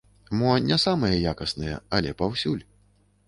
Мо не самыя якасныя, але паўсюль.